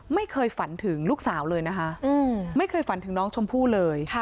ไม่เคยฝันถึงลูกสาวเลยนะคะไม่เคยฝันถึงน้องชมพู่เลย